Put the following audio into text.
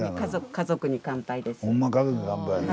「家族に乾杯」やね。